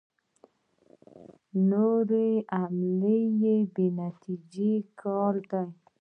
نورې حملې یو بې نتیجې کار دی.